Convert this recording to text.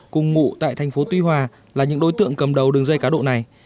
cùng ngụ tại thành phố tuy hòa là những đối tượng cầm đầu đường dây cá độ này